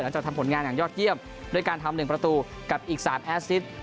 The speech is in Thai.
หลังจากทำผลงานอย่างยอดเยี่ยมด้วยการทำหนึ่งประตูกับอีก๓แอศติธิ์